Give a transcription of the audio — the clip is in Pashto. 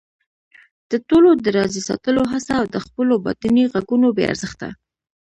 د ټولو د راضي ساتلو حڅه او د خپلو باطني غږونو بې ارزښته